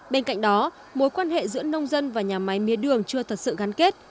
bên cạnh đó mối quan hệ giữa nông dân và nhà máy mía đường chưa thật sự gắn kết